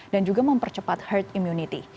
dan juga mempercepat herd immunity